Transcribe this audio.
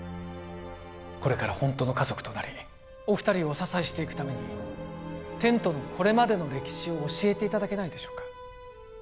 これからホントの家族となりお二人をお支えしていくためにテントのこれまでの歴史を教えていただけないでしょうか？